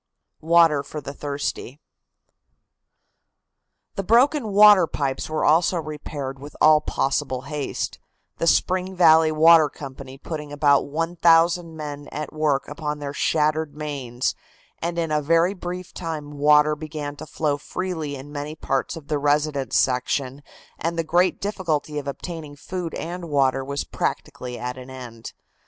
WATER FOR THE THIRSTY. The broken waterpipes were also repaired with all possible haste, the Spring Valley Water Company putting about one thousand men at work upon their shattered mains, and in a very brief time water began to flow freely in many parts of the residence section and the great difficulty of obtaining food and water was practically at an end.